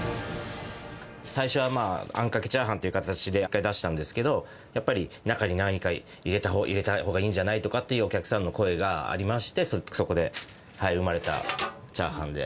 最初はあんかけチャーハンという形で出したんですけれども、やっぱり中に何か入れたほうがいいんじゃないとかっていうお客さんの声がありまして、そこで生まれたチャーハンで。